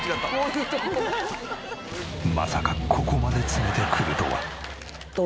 まさかここまで詰めてくるとは。